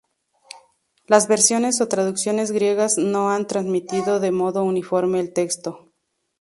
Las versiones o traducciones griegas no han transmitido de modo uniforme el texto.